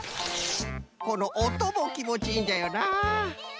このおともきもちいいんじゃよな